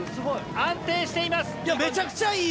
安定しています。